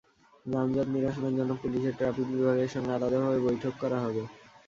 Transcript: যানজট নিরসনের জন্য পুলিশের ট্রাফিক বিভাগের সঙ্গে আলাদাভাবে বৈঠক করা হবে।